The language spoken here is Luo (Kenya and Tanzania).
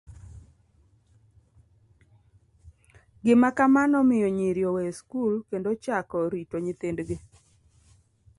Gima kama nomiyo nyiri oweyo skul kendo ochako rito nyithindgi.